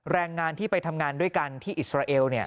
แรงงานที่ไปทำงานด้วยกันที่อิสราเอล